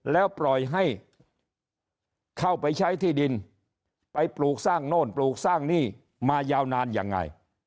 แล้วปล่อยให้เข้าไปใช้ที่ดินไปปลูกสร้างโน่นปลูกสร้างหนี้มายาวนานยังไง